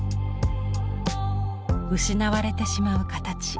失われてしまう形。